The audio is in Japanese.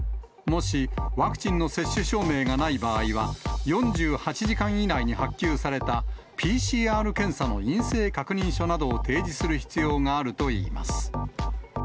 もしワクチンの接種証明がない場合は、４８時間以内に発給されたＰＣＲ検査の陰性確認書などを提示する必要があるといいます。